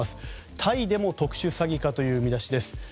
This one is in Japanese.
タイでも特殊詐欺かという見出しです。